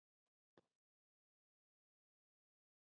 ادعا اثبات لپاره وړاندې کوي.